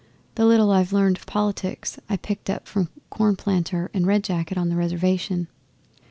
The little I've learned of politics I picked up from Cornplanter and Red Jacket on the Reservation.